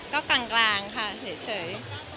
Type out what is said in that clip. ก็กลางค่ะเห็นเฉย